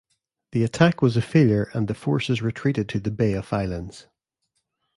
The attack was a failure and the forces retreated to the Bay of Islands.